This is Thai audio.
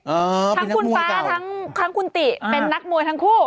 เออเป็นนักมวยเก่าทั้งคุณฟ้าทั้งคุณติเป็นนักมวยทั้งคู่